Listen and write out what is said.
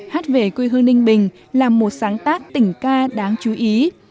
hát về quê hương ninh bình là một sáng tác tỉnh ca đáng chú ý